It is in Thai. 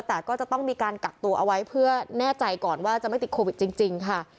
แต่ก็จะต้องมีการกักตัวเอาไว้เพื่อแน่ใจก่อนว่าจะไม่ติดโควิดจริงค่ะ